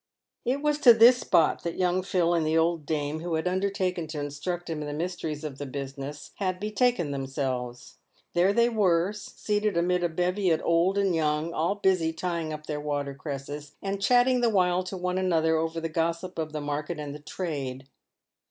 It was to this spot that young Phil, and the old dame who had undertaken to instruct him in the mysteries of the business, had be taken themselves. There they were, seated amid a bevy of old and young, all busy tying up their water cresses, and chatting the while to one another over the gossip of the market and the trade.